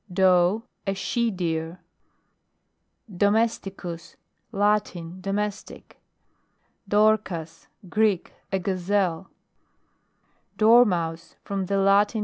DOE. A she deer. DOMESTICUS. Latin. Domestic. DORCAS. Greek. A Gazel. DORMOUSE. From the Latin.